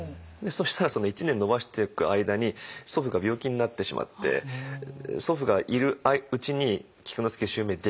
そしたら１年延ばしていく間に祖父が病気になってしまって祖父がいるうちに菊之助襲名できなかったんです。